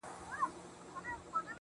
جدايي وخوړم لاليه، ستا خبر نه راځي~